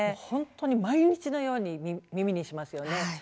本当に毎日のように耳にしますよね。